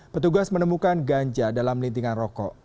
petugas menemukan ganja dalam lintingan rokok